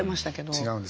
違うんです。